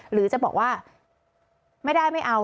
หรือจะบอกว่าไม่ได้ไม่เอา